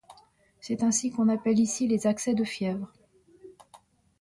C’est ainsi qu’on appelle ici les accès de fièvre.